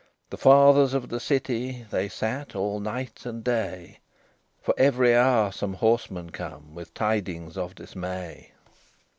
The Fathers of the City, They sat all night and day, For every hour some horseman come With tidings of dismay.